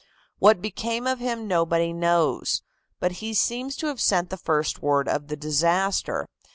What became of him nobody knows. But he seems to have sent the first word of the disaster.